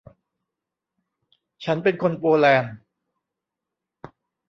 ฉันเป็นคนโปแลนด์